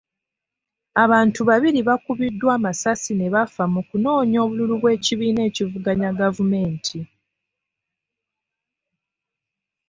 Abantu babiri baakubiddwa amasasi ne bafa mu kunoonya obululu bw'ekibiina ekivuganya gavumenti.